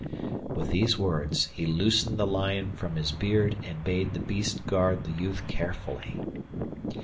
With these words he loosened the lion from his beard and bade the beast guard the youth carefully.